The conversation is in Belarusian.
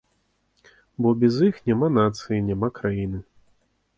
Бо без іх няма нацыі, няма краіны.